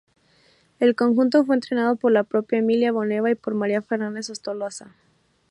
El conjunto fue entrenado por la propia Emilia Boneva y por María Fernández Ostolaza.